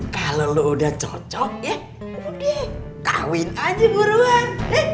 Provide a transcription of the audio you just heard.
kalo lu udah cocok ya udah kawin aja buruan